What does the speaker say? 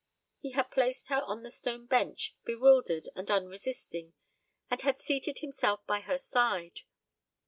He had placed her on the stone bench, bewildered and unresisting, and had seated himself by her side.